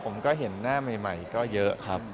ผมก็เห็นหน้าใหม่ก็เยอะครับ